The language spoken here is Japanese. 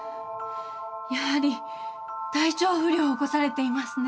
やはり体調不良を起こされていますね。